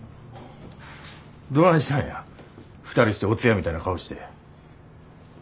どないしたんや２人してお通夜みたいな顔して。